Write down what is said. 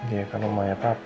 iya kan rumahnya papa